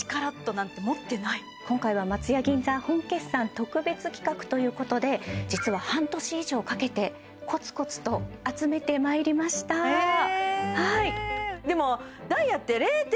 ０．８ｃｔなんて持ってない今回は松屋銀座本決算特別企画ということで実は半年以上かけてコツコツと集めてまいりましたえ！